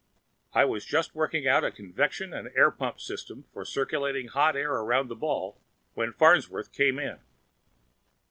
I was just working out a convection and air pump system for circulating hot air around the ball when Farnsworth came in.